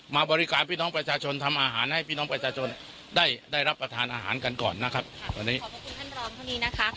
มาบริการพี่น้องประชาชนทำอาหารให้พี่น้องประชาชนได้ได้รับประทานอาหารกันก่อนนะครับตอนนี้ขอบคุณท่านรองเท่านี้นะคะ